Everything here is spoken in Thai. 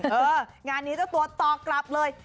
งานนี้เจ้าตัวตอบกลับเลย